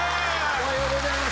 おはようございます。